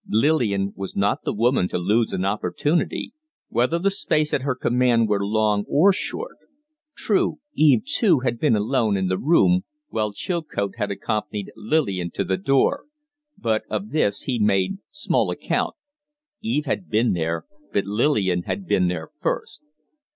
Lillian was not the woman to lose an opportunity, whether the space at her command were long or short. True, Eve too had been alone in the room, while Chilcote had accompanied Lillian to the door; but of this he made small account. Eve had been there, but Lillian had been there first.